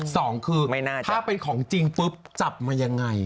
สองคือถ้าเป็นของจริงปุ๊บจับมายังไง